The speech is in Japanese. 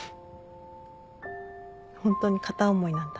ホントに片思いなんだ。